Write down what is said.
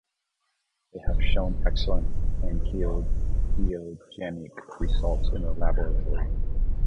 They have shown excellent antiangiogenic results in the laboratory.